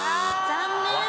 残念。